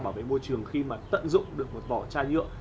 bảo vệ môi trường khi mà tận dụng được một vỏ chai nhựa